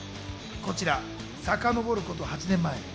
こちら、さかのぼること８年前。